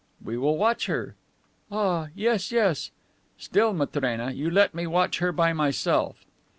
"We will watch her..." "Ah, yes, yes." "Still, Matrena, you let me watch her by myself."